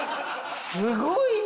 すごいね！